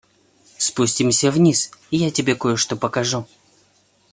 Спустимся вниз, я тебе кое-что покажу.